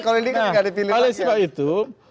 kalau ini kan enggak dipilih rakyat oleh sebab itu